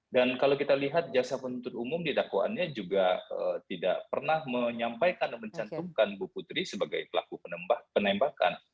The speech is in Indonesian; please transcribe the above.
dan kalau kita lihat jasa penuntut umum didakwaannya juga tidak pernah menyampaikan atau mencantumkan bu putri sebagai pelaku penembakan